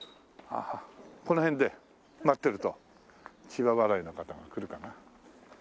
この辺で待ってると千葉笑いの方が来るかな？